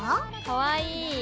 かわいい。